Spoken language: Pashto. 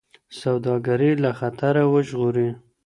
سوداګري له خطره وژغوري.